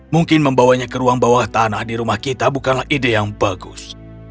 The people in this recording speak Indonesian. mungkin membawanya ke ruang bawah tanah di rumah kita bukanlah ide yang bagus